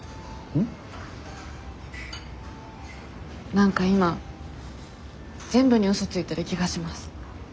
何か今全部に嘘ついてる気がします。